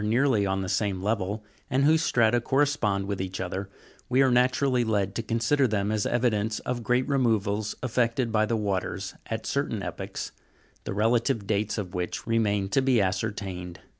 nearly on the same level, and whose strata correspond with each other, we are naturally led to consider them as evidence of great removals effected by the waters, at certain epochs, the relative dates of which remain to be ascertained.